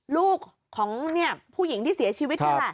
ลูกของผู้หญิงที่เสียชีวิตเธอ